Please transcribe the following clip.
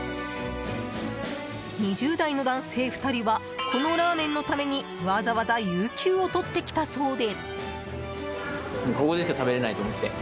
２０代の男性２人はこのラーメンのためにわざわざ有給をとって来たそうで。